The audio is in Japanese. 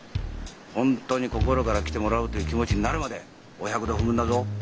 本当に心から来てもらうという気持ちになるまでお百度踏むんだぞ。